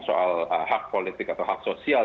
soal hak politik atau hak sosial